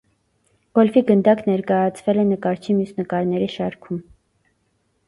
«Գոլֆի գնդակ» ներկայացվել է նկարչի մյուս նկարների շարքում։